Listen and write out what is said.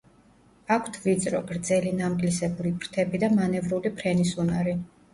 აქვთ ვიწრო, გრძელი, ნამგლისებური ფრთები და მანევრული ფრენის უნარი.